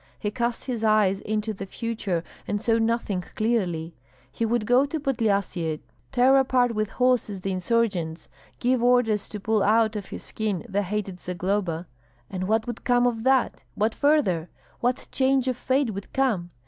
He cast his eyes into the future, and saw nothing clearly. He would go to Podlyasye, tear apart with horses the insurgents, give orders to pull out of his skin the hated Zagloba, and what would come of that? What further? What change of fate would come?